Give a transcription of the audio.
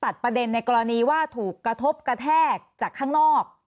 ตัดประเด็นในกรณีว่าถูกกระทบกระแทกจากข้างนอก